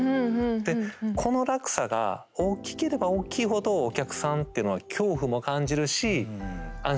でこの落差が大きければ大きいほどお客さんっていうのは恐怖も感じるし安心感も強くなる。